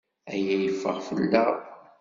Aya yeffeɣ fell-aɣ.